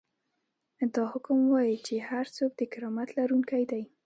دا حکم وايي چې هر څوک د کرامت لرونکی دی.